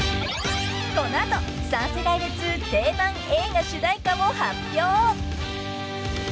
［この後３世代別定番映画主題歌を発表］